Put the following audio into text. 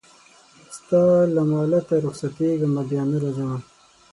ستا له مالته رخصتېږمه بیا نه راځمه